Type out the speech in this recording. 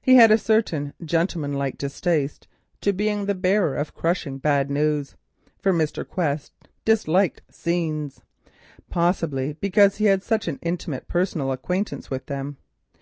He had also a certain gentlemanlike distaste to being the bearer of crushing bad news, for Mr. Quest disliked scenes, possibly because he had such an intimate personal acquaintance with them.